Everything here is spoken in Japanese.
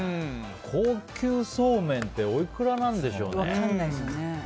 高級そうめんっておいくらなんでしょうね。